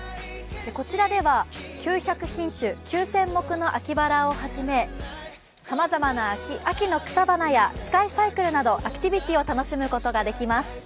こちらでは９００品種９０００株の秋バラをはじめさまざまな秋の草花やスカイサイクルなどアクティビティーを楽しむことができます。